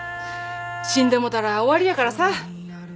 死んでもうたら終わりやからさ。